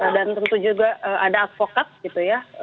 dan tentu juga ada advokat gitu ya